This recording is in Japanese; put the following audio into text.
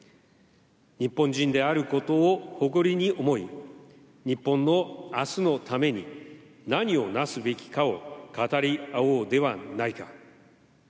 日本人であることを誇りに思い、日本のあすのために、何をなすべきかを語り合おうではないか。